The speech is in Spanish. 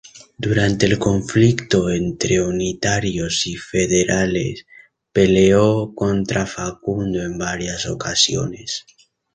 Durante el conflicto entre unitarios y federales, peleó contra Facundo en varias ocasiones.